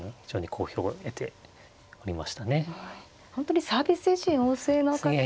本当にサービス精神旺盛な方ですよね。